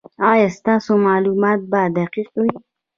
ایا ستاسو معلومات به دقیق وي؟